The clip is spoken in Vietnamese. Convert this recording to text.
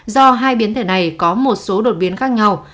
do hai biến thể này có một số đột biến khác nhau